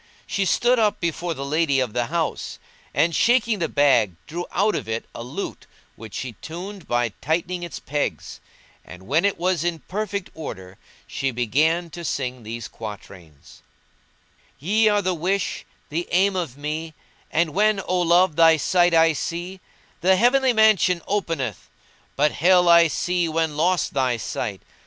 She stood up before the lady of the house and shaking the bag drew out from it a lute which she tuned by tightening its pegs; and when it was in perfect order, she began to sing these quatrains:— "Ye are the wish, the aim of me *And when, O Love, thy sight I see[FN#177] The heavenly mansion openeth;[FN#178] * But Hell I see when lost thy sight.